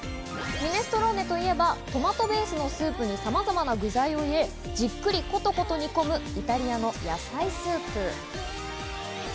ミネストローネといえば、トマトベースのスープにさまざまな具材を入れ、じっくりコトコト煮込むイタリアの野菜スープ。